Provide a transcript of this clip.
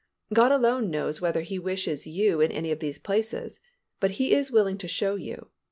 God alone knows whether He wishes you in any of these places, but He is willing to show you.